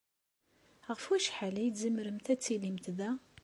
Ɣef wacḥal ay tzemremt ad tilimt da?